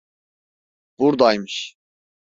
Burdaymış!